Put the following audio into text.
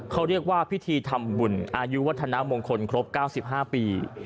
เขาเรียกว่าพิธีทำบุญอายุวัฒนามงคลครบ๙๕ปี